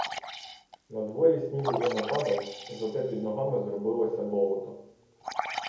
Надворі сніг уже не падав, зате під ногами зробилося болото.